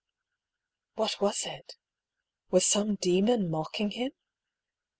What was it? Was some demon mocking him?